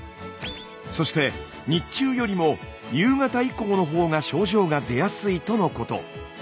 そして日中よりも夕方以降のほうが症状が出やすいとのこと。